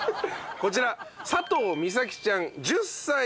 こちら佐藤実咲ちゃん１０歳の方。